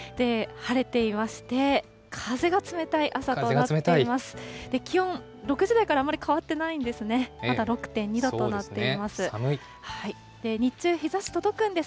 晴れていまして、風が冷たい朝となっています。